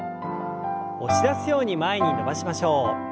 押し出すように前に伸ばしましょう。